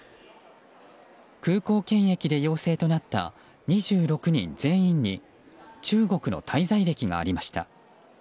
空港検疫で陽性となった２６人全員に中国の滞在歴がありました。